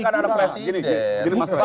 ini bukan karena anak presiden